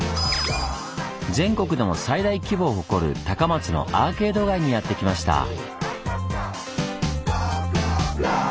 全国でも最大規模を誇る高松のアーケード街にやって来ました。